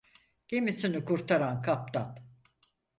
Gemisini kurtaran kaptan.